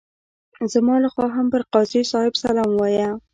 زما لخوا هم پر قاضي صاحب سلام ووایه.